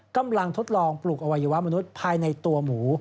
กำลังทดลองปลูกอวัยวะมนุษย์ภายในตัวหมู